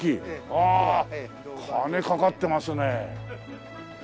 ああ金かかってますね。